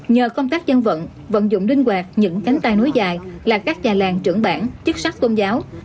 nhờ công tác dân vận vận dụng đinh quạt những cánh tay núi dài là các nhà làng trưởng bản chức sắc công giáo